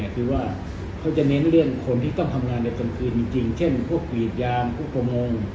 คือว่าเขาจะเน้นเรื่องคนที่ต้องทำงานในกลางคืนจริงเช่นพวกกรีดยางพวกประมง